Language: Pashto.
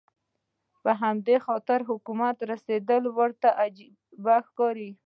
په همدې خاطر حکومت ته رسېدل ورته وجیبه ښکاري.